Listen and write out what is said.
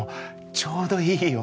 ちょうどいいよ